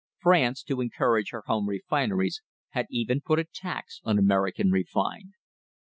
France, to encourage her home refineries, had even put a tax on American refined.